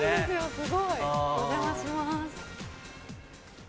すごいお邪魔します。